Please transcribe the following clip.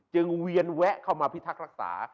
เวียนแวะเข้ามาพิทักษ์รักษา